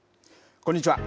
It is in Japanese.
こんにちは。